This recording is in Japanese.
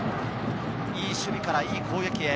いい守備からいい攻撃で。